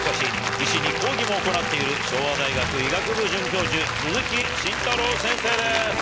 医師に講義も行っている昭和大学医学部准教授鈴木慎太郎先生です。